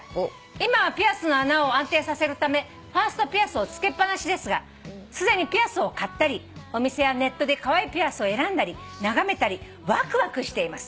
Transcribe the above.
「今はピアスの穴を安定させるためファーストピアスをつけっぱなしですがすでにピアスを買ったりお店やネットでカワイイピアスを選んだり眺めたりワクワクしています」